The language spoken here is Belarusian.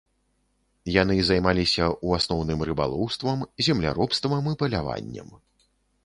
Яны займаліся, у асноўным, рыбалоўствам, земляробствам і паляваннем.